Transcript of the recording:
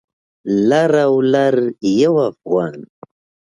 لر او لر یو افغان